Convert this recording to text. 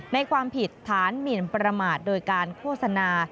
ความผิดฐานหมินประมาทโดยการโฆษณา